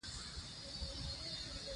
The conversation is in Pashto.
ازادي راډیو د ترانسپورټ ستونزې راپور کړي.